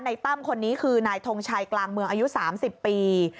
ตั้มคนนี้คือนายทงชัยกลางเมืองอายุ๓๐ปี